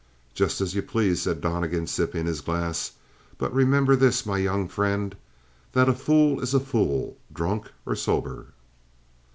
"Just as you please," said Donnegan, sipping his glass. "But remember this, my young friend, that a fool is a fool, drunk or sober."